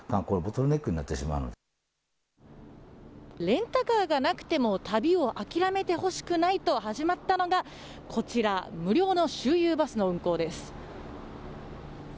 レンタカーがなくても旅を諦めてほしくないと始まったのがこちら、無料の周遊バスの運行です。